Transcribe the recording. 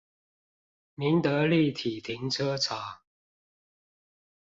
民德立體停車場